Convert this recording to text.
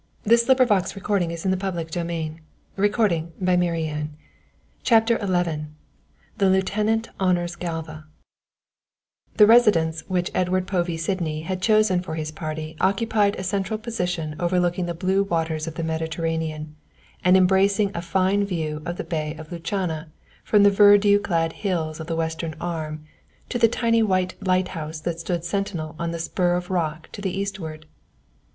Then taking the candelabra, he ascended the wide oak staircase to his chamber. CHAPTER XI THE LIEUTENANT HONOURS GALVA The residence which Edward Povey Sydney had chosen for his party occupied a central position overlooking the blue waters of the Mediterranean, and embracing a fine view of the Bay of Lucana from the verdure clad heights of the western arm to the tiny white lighthouse that stood sentinel on the spur of rock to the eastward.